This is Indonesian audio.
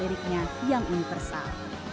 liriknya yang universal